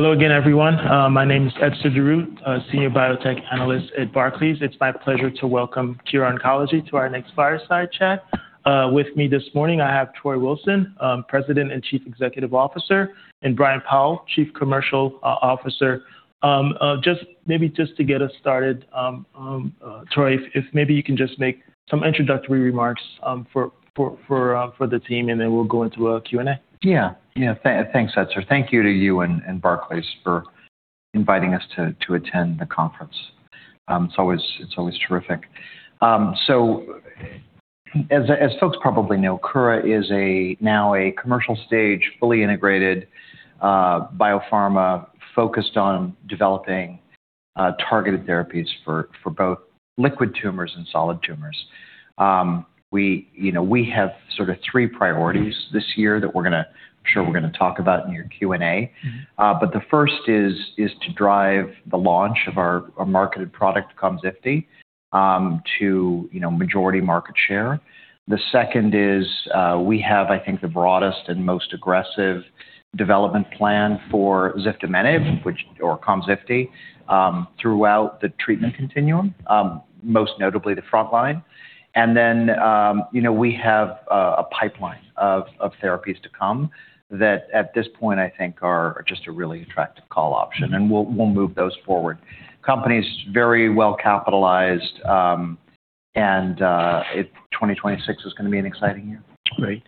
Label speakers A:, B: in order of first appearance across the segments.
A: Hello again, everyone. My name is Etzer Darout, a senior biotech analyst at Barclays. It's my pleasure to welcome Kura Oncology to our next fireside chat. With me this morning, I have Troy Wilson, President and Chief Executive Officer, and Brian Powl, Chief Commercial Officer. Maybe just to get us started, Troy, if maybe you can just make some introductory remarks for the team, and then we'll go into a Q&A.
B: Yeah. Thanks, Etzer Darout. Thank you to you and Barclays for inviting us to attend the conference. It's always terrific. So as folks probably know, Kura is now a commercial stage, fully integrated biopharma focused on developing targeted therapies for both liquid tumors and solid tumors. You know, we have sort of three priorities this year that we're gonna talk about in your Q&A. The first is to drive the launch of our marketed product, Komzifti, to majority market share. The second is we have, I think, the broadest and most aggressive development plan for ziftomenib, which or Komzifti, throughout the treatment continuum, most notably the front line. You know, we have a pipeline of therapies to come that at this point, I think are just a really attractive call option, and we'll move those forward. Company is very well capitalized, and 2026 is gonna be an exciting year.
A: Great.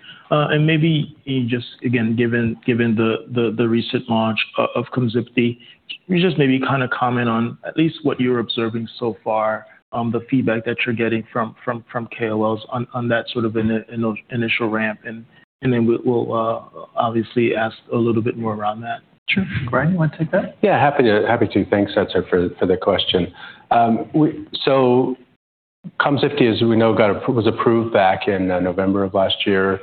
A: Maybe just again, given the recent launch of Komzifti, can you just maybe kinda comment on at least what you're observing so far, the feedback that you're getting from KOLs on that sort of initial ramp? We'll obviously ask a little bit more around that.
B: Sure. Brian, you want to take that?
C: Yeah. Happy to. Thanks, Etzer Darout, sir, for the question. Komzifti, as we know, was approved back in November of last year.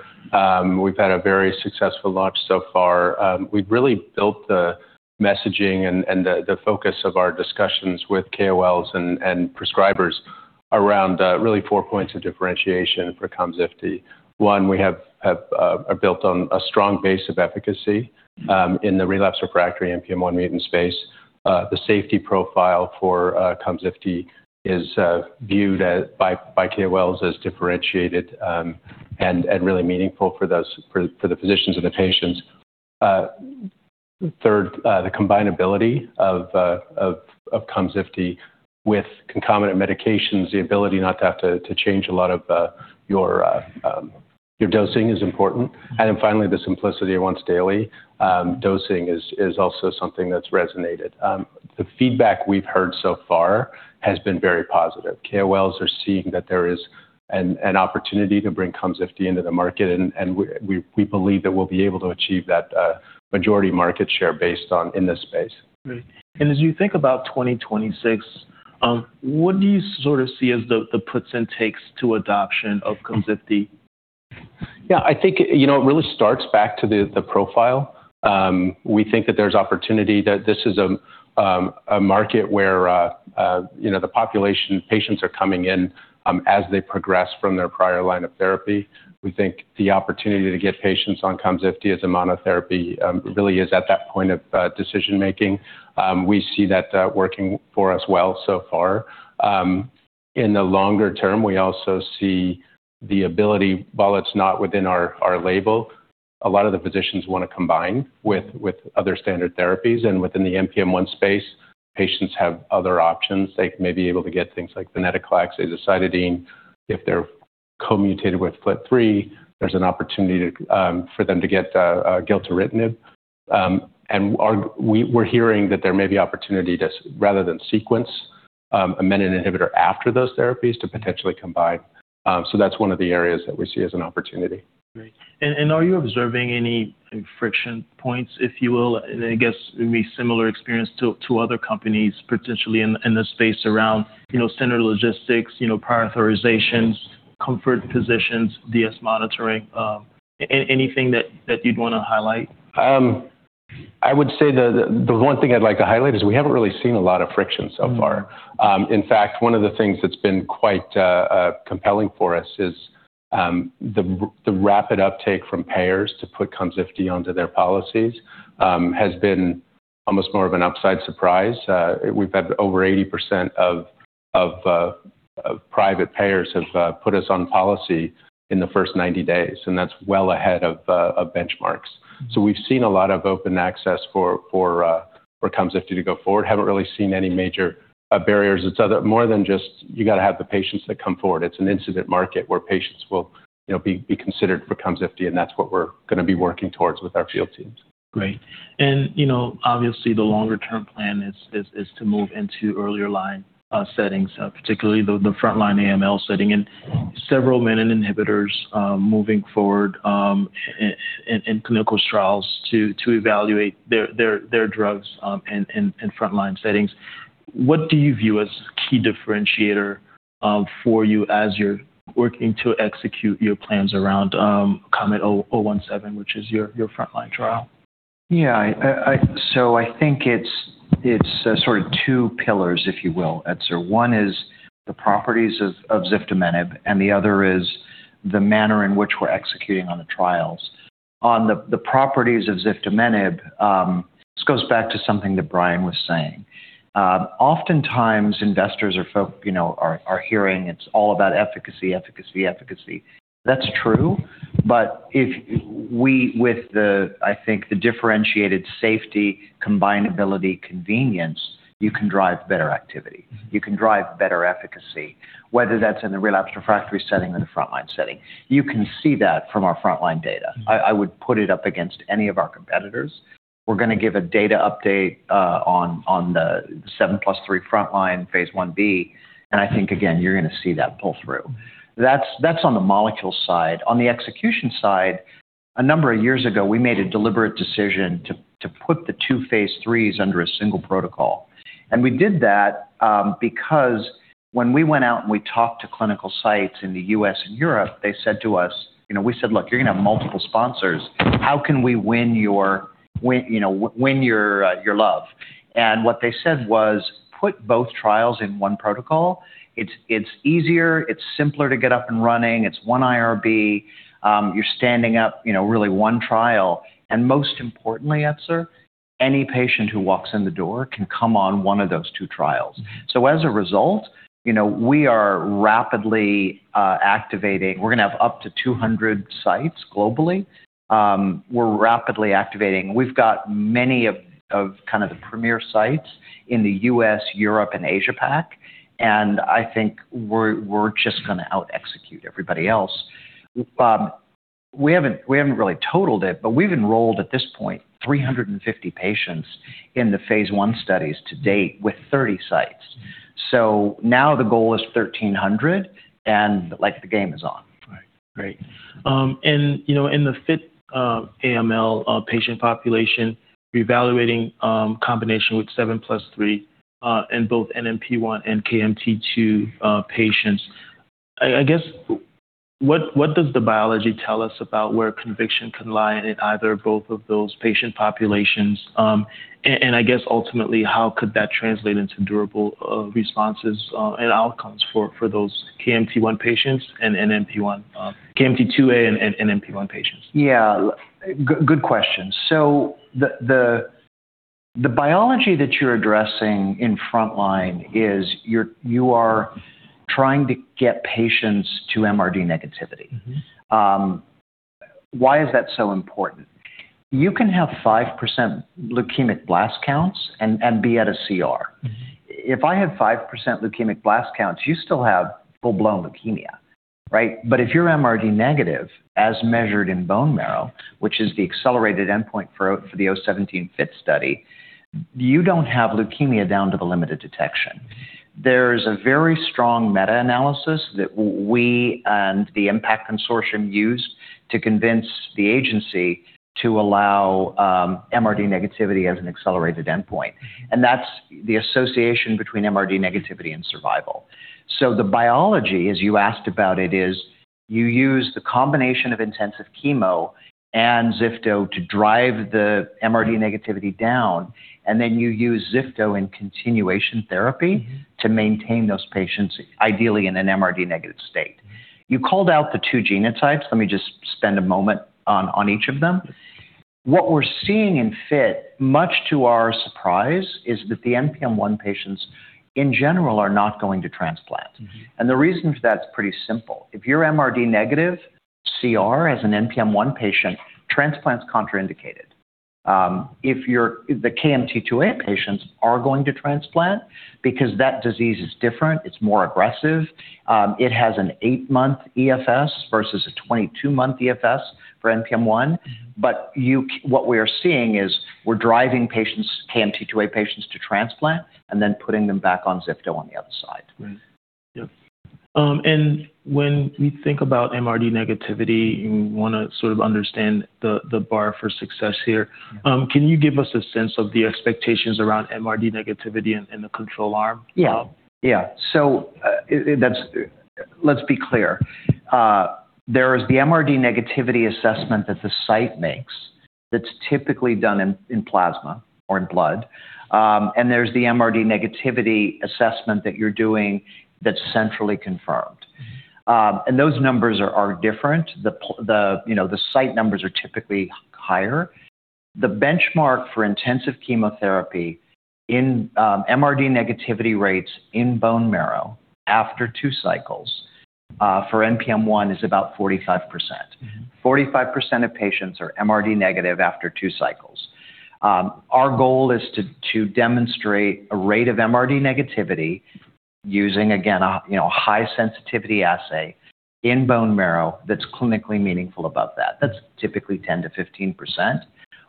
C: We've had a very successful launch so far. We've really built the messaging and the focus of our discussions with KOLs and prescribers around really four points of differentiation for Komzifti. One, we have built on a strong base of efficacy in the relapsed refractory NPM1 mutant space. The safety profile for Komzifti is viewed by KOLs as differentiated and really meaningful for the physicians and the patients. Third, the combinability of Komzifti with concomitant medications, the ability not to have to change a lot of your dosing is important. Finally, the simplicity of once daily dosing is also something that's resonated. The feedback we've heard so far has been very positive. KOLs are seeing that there is an opportunity to bring Komzifti into the market, and we believe that we'll be able to achieve that majority market share based on innovation in this space.
A: Great. As you think about 2026, what do you sort of see as the puts and takes to adoption of Komzifti?
C: Yeah, I think, you know, it really starts back to the profile. We think that there's opportunity, that this is a market where, you know, the population, patients are coming in, as they progress from their prior line of therapy. We think the opportunity to get patients on Komzifti as a monotherapy really is at that point of decision-making. We see that working for us well so far. In the longer term, we also see the ability, while it's not within our label, a lot of the physicians want to combine with other standard therapies, and within the NPM1 space, patients have other options. They may be able to get things like venetoclax, azacitidine. If they're co-mutated with FLT3, there's an opportunity for them to get gilteritinib. We're hearing that there may be opportunity to, rather than sequence, a MEK inhibitor after those therapies to potentially combine. That's one of the areas that we see as an opportunity.
A: Great. Are you observing any friction points, if you will? I guess it would be similar experience to other companies potentially in this space around, you know, standard logistics, you know, prior authorizations, comfort positions, DS monitoring. Anything that you'd wanna highlight?
C: I would say the one thing I'd like to highlight is we haven't really seen a lot of friction so far. In fact, one of the things that's been quite compelling for us is the rapid uptake from payers to put Komzifti onto their policies has been almost more of an upside surprise. We've had over 80% of private payers have put us on policy in the first 90 days, and that's well ahead of benchmarks. We've seen a lot of open access for Komzifti to go forward. Haven't really seen any major barriers. It's more than just you gotta have the patients that come forward. It's an incident market where patients will, you know, be considered for Komzifti, and that's what we're gonna be working towards with our field teams.
A: Great. You know, obviously, the longer-term plan is to move into earlier line settings, particularly the frontline AML setting and several MEK inhibitors moving forward in clinical trials to evaluate their drugs in frontline settings. What do you view as key differentiator for you as you're working to execute your plans around KOMET-017, which is your frontline trial?
B: Yeah, I think it's sort of two pillars, if you will, Etzer. One is the properties of ziftomenib, and the other is the manner in which we're executing on the trials. On the properties of ziftomenib, this goes back to something that Brian was saying. Oftentimes investors or folks, you know, are hearing it's all about efficacy, efficacy. That's true, but with the differentiated safety, combinability, convenience, you can drive better activity. You can drive better efficacy, whether that's in the relapsed refractory setting or the frontline setting. You can see that from our frontline data. I would put it up against any of our competitors. We're gonna give a data update on the 7+3 frontline phase Ib, and I think, again, you're gonna see that pull through. That's on the molecule side. On the execution side, a number of years ago, we made a deliberate decision to put the two phase IIIs under a single protocol. We did that because when we went out and we talked to clinical sites in the US and Europe, they said to us, you know, we said, "Look, you're gonna have multiple sponsors. How can we win your love?" What they said was, "Put both trials in one protocol. It's easier, it's simpler to get up and running, it's one IRB, you're standing up, you know, really one trial." Most importantly, Etzer, any patient who walks in the door can come on one of those two trials. As a result, you know, we are rapidly activating. We're gonna have up to 200 sites globally. We're rapidly activating. We've got many of kind of the premier sites in the U.S., Europe, and Asia Pac, and I think we're just gonna out execute everybody else. We haven't really totaled it, but we've enrolled at this point 350 patients in the phase I studies to date with 30 sites. Now the goal is 1,300, and like the game is on.
A: Right. Great. You know, in the field of AML patient population, reevaluating combination with 7+3 in both NPM1 and KMT2 patients, I guess, what does the biology tell us about where conviction can lie in either both of those patient populations? I guess ultimately, how could that translate into durable responses and outcomes for those KMT2A patients and NPM1 KMT2A and NPM1 patients?
B: Yeah. Good question. The biology that you're addressing in frontline is you are trying to get patients to MRD negativity. Why is that so important? You can have 5% leukemic blast counts and be at a CR. If I have 5% leukemic blast counts, you still have full-blown leukemia, right? If you're MRD negative, as measured in bone marrow, which is the accelerated endpoint for the KOMET-017 study, you don't have leukemia down to the limited detection. There's a very strong meta-analysis that we and the IMPACT Consortium used to convince the agency to allow MRD negativity as an accelerated endpoint, and that's the association between MRD negativity and survival. The biology, as you asked about it, is you use the combination of intensive chemo and ziftomenib to drive the MRD negativity down, and then you use ziftomenib in continuation therapy to maintain those patients ideally in an MRD negative state. You called out the two genotypes. Let me just spend a moment on each of them. What we're seeing in FTI, much to our surprise, is that the NPM1 patients in general are not going to transplant. The reason for that's pretty simple. If you're MRD negative, CR as an NPM1 patient, transplant's contraindicated. The KMT2A patients are going to transplant because that disease is different, it's more aggressive, it has an eight month EFS versus a 22-month EFS for NPM1. What we are seeing is we're driving patients, KMT2A patients to transplant and then putting them back on ziftomenib on the other side.
A: Right. Yep. When we think about MRD negativity, we wanna sort of understand the bar for success here.
B: Yeah.
A: Can you give us a sense of the expectations around MRD negativity in the control arm?
B: Yeah. Let's be clear. There is the MRD negativity assessment that the site makes that's typically done in plasma or in blood, and there's the MRD negativity assessment that you're doing that's centrally confirmed. Those numbers are different. The, you know, the site numbers are typically higher. The benchmark for intensive chemotherapy in MRD negativity rates in bone marrow after two cycles for NPM1 is about 45%. 45% of patients are MRD negative after two cycles. Our goal is to demonstrate a rate of MRD negativity using, again, you know, high sensitivity assay in bone marrow that's clinically meaningful above that. That's typically 10%-15%.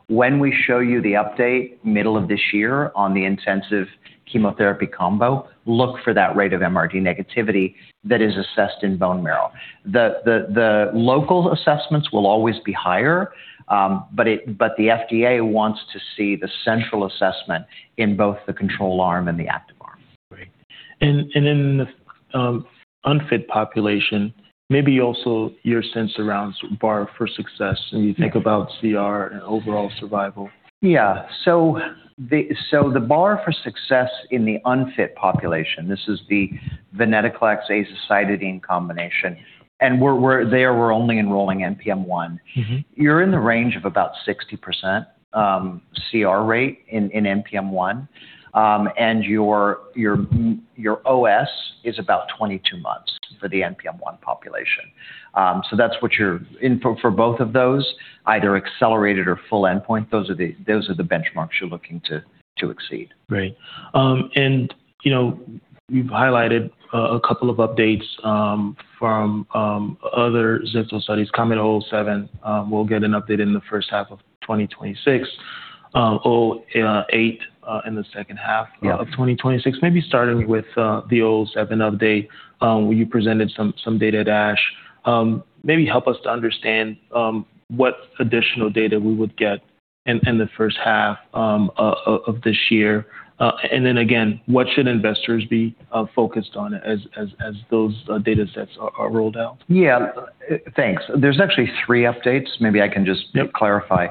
B: When we show you the update middle of this year on the intensive chemotherapy combo, look for that rate of MRD negativity that is assessed in bone marrow. The local assessments will always be higher, but the FDA wants to see the central assessment in both the control arm and the active arm.
A: Great. In the unfit population, maybe also your sense around bar for success when you think about CR and overall survival.
B: The bar for success in the unfit population, this is the venetoclax azacitidine combination, and we're there. We're only enrolling NPM1. You're in the range of about 60% CR rate in NPM1. Your OS is about 22 months for the NPM1 population. That's what you're in for both of those, either accelerated or full endpoint, those are the benchmarks you're looking to exceed.
A: Great. You know, you've highlighted a couple of updates from other ziftomenib studies, KOMET-007. We'll get an update in the first half of 2026, 2028 in the second half-
B: Yeah...
A: of 2026. Maybe starting with the 007 update, where you presented some data at ASH. Maybe help us to understand what additional data we would get in the first half of this year. Then again, what should investors be focused on as those datasets are rolled out?
B: Yeah. Thanks. There's actually three updates. Maybe I can just-
A: Yep
B: ....clarify.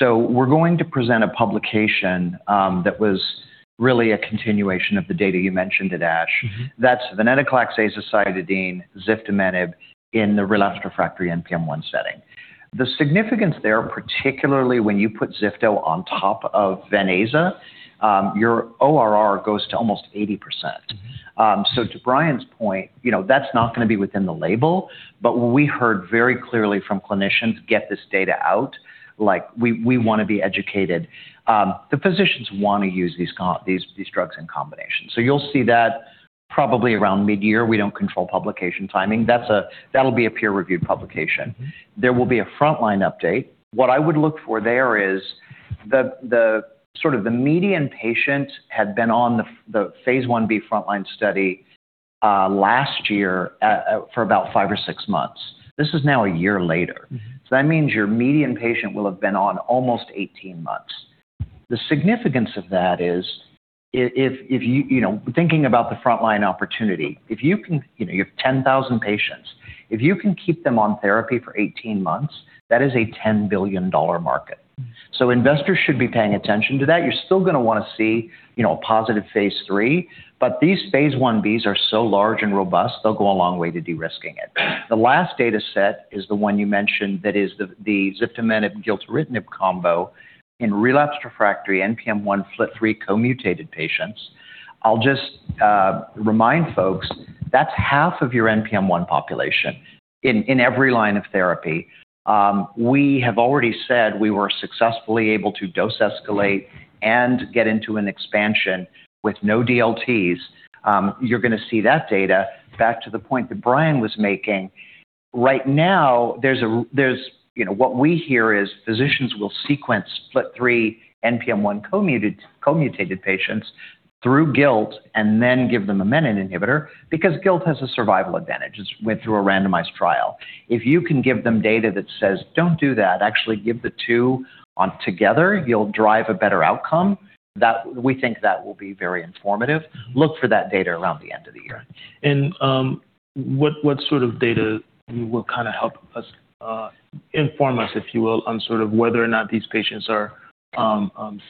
B: We're going to present a publication that was really a continuation of the data you mentioned at ASH. That's venetoclax azacitidine ziftomenib in the relapsed refractory NPM1 setting. The significance there, particularly when you put ziftomenib on top of Ven/Aza, your ORR goes to almost 80%. To Brian's point, you know, that's not gonna be within the label, but what we heard very clearly from clinicians, "Get this data out." Like, we wanna be educated. The physicians wanna use these drugs in combination. You'll see that probably around midyear. We don't control publication timing. That's. That'll be a peer-reviewed publication. There will be a frontline update. What I would look for there is the sort of the median patient had been on the phase Ib frontline study last year for about five or six months. This is now a year later. That means your median patient will have been on almost 18 months. The significance of that is if you know, thinking about the frontline opportunity, if you can. You know, you have 10,000 patients. If you can keep them on therapy for 18 months, that is a $10 billion market. Investors should be paying attention to that. You're still gonna wanna see, you know, a positive phase III, but these phase Ib's are so large and robust, they'll go a long way to de-risking it. The last dataset is the one you mentioned that is the ziftomenib gilteritinib combo in relapsed refractory NPM1 FLT3 co-mutated patients. I'll just remind folks, that's half of your NPM1 population in every line of therapy. We have already said we were successfully able to dose escalate and get into an expansion with no DLTs. You're gonna see that data back to the point that Brian was making. Right now, there's. You know, what we hear is physicians will sequence FLT3 NPM1 co-mutated patients through gilteritinib and then give them a menin inhibitor because gilteritinib has a survival advantage. It's went through a randomized trial. If you can give them data that says, "Don't do that. Actually give the two on together, you'll drive a better outcome," that, we think that will be very informative. Look for that data around the end of the year.
A: What sort of data will kind of help us inform us, if you will, on sort of whether or not these patients are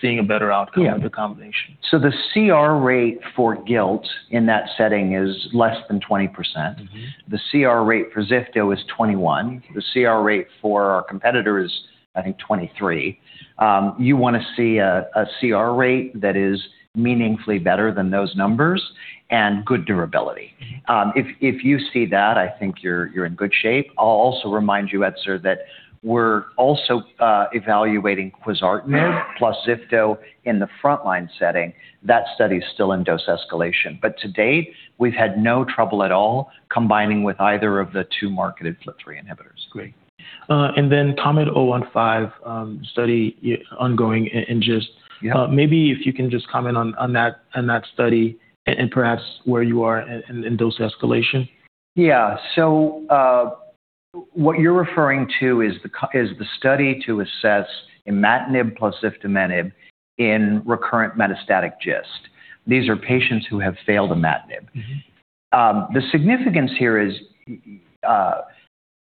A: seeing a better outcome-
B: Yeah
A: ...with the combination?
B: The CR rate for gilteritinib in that setting is less than 20%. The CR rate for ziftomenib is 21%. The CR rate for our competitor is, I think, 23%. You wanna see a CR rate that is meaningfully better than those numbers and good durability. If you see that, I think you're in good shape. I'll also remind you, Etzer, that we're also evaluating quizartinib plus ziftomenib in the frontline setting. That study is still in dose escalation. To date, we've had no trouble at all combining with either of the two marketed FLT3 inhibitors.
A: Great. KOMET-001 study ongoing in just-
B: Yeah
A: Maybe if you can just comment on that study and perhaps where you are in dose escalation.
B: What you're referring to is the study to assess imatinib plus ziftomenib in recurrent metastatic GIST. These are patients who have failed imatinib. The significance here is,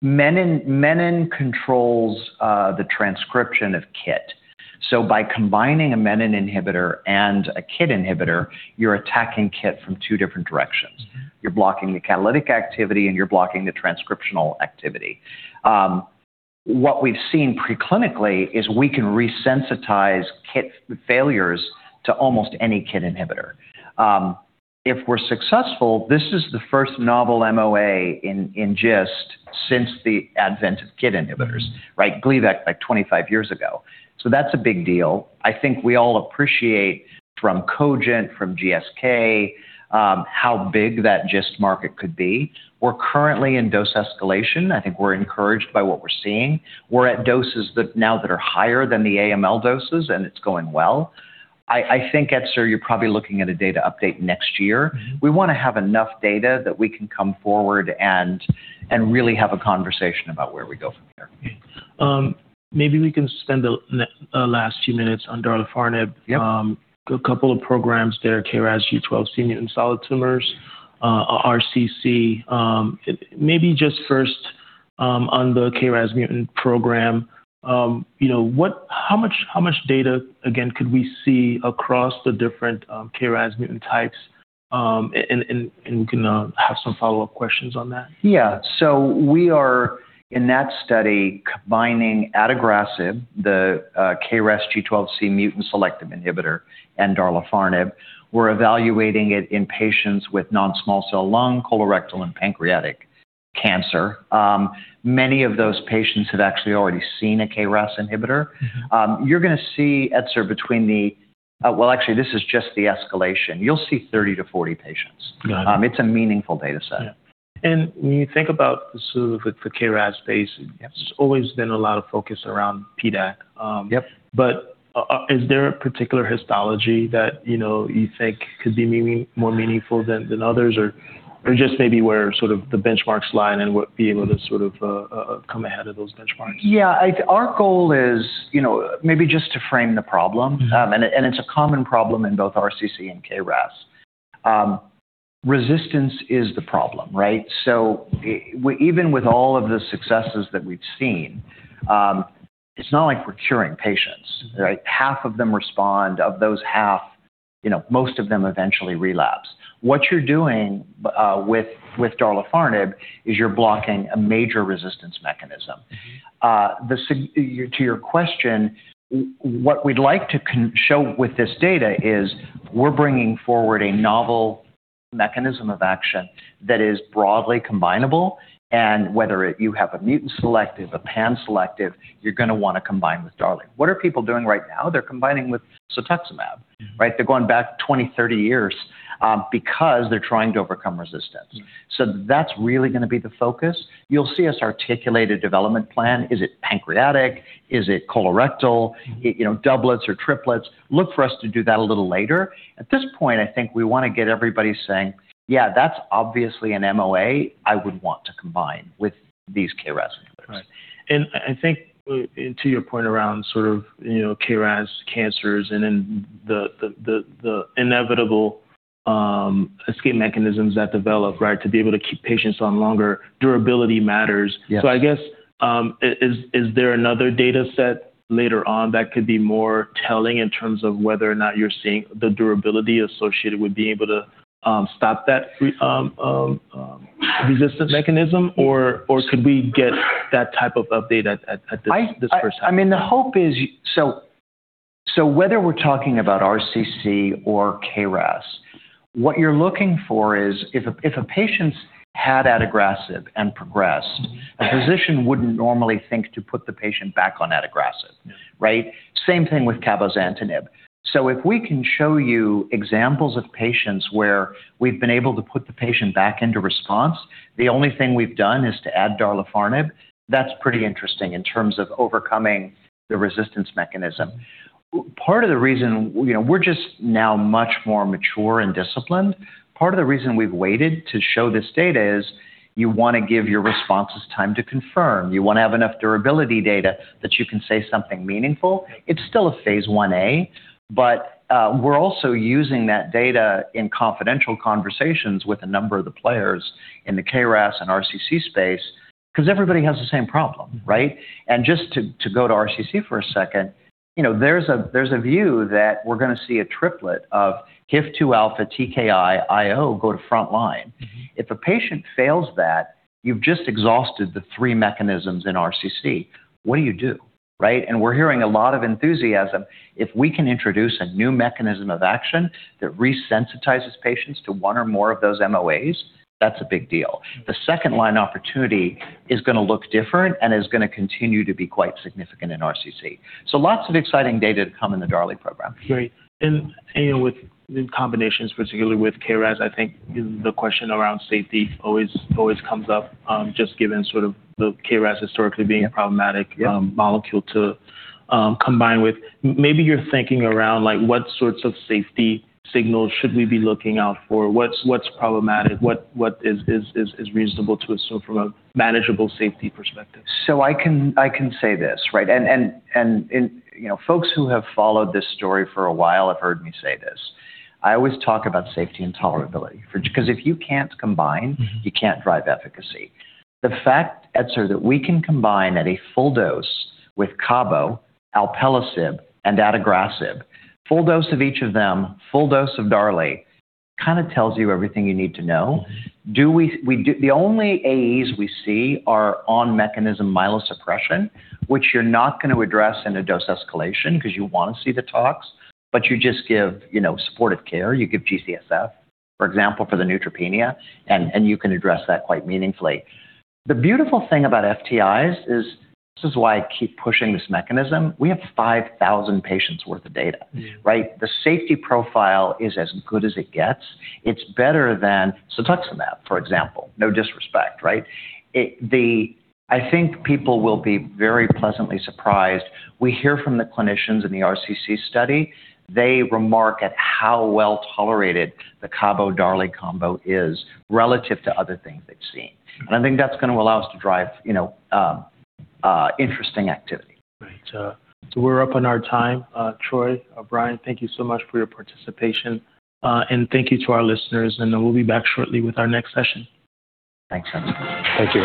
B: menin controls the transcription of KIT. By combining a menin inhibitor and a KIT inhibitor, you're attacking KIT from two different directions. You're blocking the catalytic activity, and you're blocking the transcriptional activity. What we've seen preclinically is we can resensitize KIT failures to almost any KIT inhibitor. If we're successful, this is the first novel MOA in GIST since the advent of KIT inhibitors. Right? Gleevec, like, 25 years ago. That's a big deal. I think we all appreciate from Cogent, from GSK, how big that GIST market could be. We're currently in dose escalation. I think we're encouraged by what we're seeing. We're at doses that now that are higher than the AML doses, and it's going well. I think, Etzer, you're probably looking at a data update next year. We wanna have enough data that we can come forward and really have a conversation about where we go from there.
A: Maybe we can spend the last few minutes on tipifarnib.
B: Yep.
A: A couple of programs there, KRAS G12C mutant solid tumors, RCC. Maybe just first, on the KRAS mutant program, you know, how much data, again, could we see across the different KRAS mutant types? We can have some follow-up questions on that.
B: Yeah. We are in that study combining adagrasib, the KRAS G12C mutant selective inhibitor, and tipifarnib. We're evaluating it in patients with non-small cell lung, colorectal, and pancreatic cancer. Many of those patients have actually already seen a KRAS inhibitor. You're gonna see, Etzer, well, actually, this is just the escalation. You'll see 30-40 patients.
A: Got it.
B: It's a meaningful data set.
A: Yeah. When you think about the sort of with the KRAS space.
B: Yes.
A: There's always been a lot of focus around PDAC-
B: Yep.
A: ...is there a particular histology that, you know, you think could be more meaningful than others? Or just maybe where sort of the benchmarks lie and what be able to sort of come ahead of those benchmarks?
B: Our goal is, you know, maybe just to frame the problem. It's a common problem in both RCC and KRAS. Resistance is the problem, right? Even with all of the successes that we've seen, it's not like we're curing patients, right? Half of them respond. Of those half, you know, most of them eventually relapse. What you're doing with tipifarnib is you're blocking a major resistance mechanism. To your question, what we'd like to show with this data is we're bringing forward a novel mechanism of action that is broadly combinable, and whether you have a mutant selective, a pan-selective, you're gonna wanna combine with tipifarnib. What are people doing right now? They're combining with Cetuximab, right? They're going back 20, 30 years, because they're trying to overcome resistance. That's really gonna be the focus. You'll see us articulate a development plan. Is it pancreatic? Is it colorectal? You know, doublets or triplets. Look for us to do that a little later. At this point, I think we wanna get everybody saying, "Yeah, that's obviously an MOA I would want to combine with these KRAS inhibitors.
A: Right. I think, and to your point around sort of, you know, KRAS cancers and then the inevitable escape mechanisms that develop, right, to be able to keep patients on longer, durability matters.
B: Yes.
A: I guess, is there another data set later on that could be more telling in terms of whether or not you're seeing the durability associated with being able to stop that resistance mechanism, or could we get that type of update at this first time?
B: I mean, the hope is whether we're talking about RCC or KRAS, what you're looking for is if a patient's had adagrasib and progressed, a physician wouldn't normally think to put the patient back on adagrasib, right? Same thing with cabozantinib. If we can show you examples of patients where we've been able to put the patient back into response, the only thing we've done is to add tipifarnib, that's pretty interesting in terms of overcoming the resistance mechanism. Part of the reason, you know, we're just now much more mature and disciplined. Part of the reason we've waited to show this data is you wanna give your responses time to confirm. You wanna have enough durability data that you can say something meaningful. It's still a phase Ia, but we're also using that data in confidential conversations with a number of the players in the KRAS and RCC space because everybody has the same problem, right? Just to go to RCC for a second, you know, there's a view that we're gonna see a triplet of HIF-2 alpha TKI IO go to frontline. If a patient fails that, you've just exhausted the three mechanisms in RCC. What do you do, right? We're hearing a lot of enthusiasm. If we can introduce a new mechanism of action that resensitizes patients to one or more of those MOAs, that's a big deal. The second line opportunity is gonna look different and is gonna continue to be quite significant in RCC. Lots of exciting data to come in the early program.
A: Great. With the combinations, particularly with KRAS, I think the question around safety always comes up, just given sort of the KRAS historically being-
B: Yeah.
A: ...a problematic-
B: Yeah.
A: ...molecule to combine with. Maybe you're thinking around, like, what sorts of safety signals should we be looking out for? What's problematic? What is reasonable to us so from a manageable safety perspective?
B: I can say this, right? You know, folks who have followed this story for a while have heard me say this. I always talk about safety and tolerability for 'cause if you can't combine. You can't drive efficacy. The fact, Etzer, that we can combine at a full dose with cabo, alpelisib, and adagrasib, full dose of each of them, full dose of tipifarnib, kinda tells you everything you need to know. The only AEs we see are on mechanism myelosuppression, which you're not gonna address in a dose escalation 'cause you wanna see the tox, but you just give, you know, supportive care, you give G-CSF, for example, for the neutropenia, and you can address that quite meaningfully. The beautiful thing about FTIs is, this is why I keep pushing this mechanism, we have 5,000 patients worth of data. Right? The safety profile is as good as it gets. It's better than Cetuximab, for example. No disrespect, right? I think people will be very pleasantly surprised. We hear from the clinicians in the RCC study. They remark at how well tolerated the cabo tipifarnib combo is relative to other things they've seen. I think that's gonna allow us to drive, you know, interesting activity.
A: Great. We're up on our time. Troy, Brian, thank you so much for your participation, and thank you to our listeners, and we'll be back shortly with our next session.
B: Thanks, Etzer.
A: Thank you.